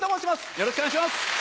よろしくお願いします。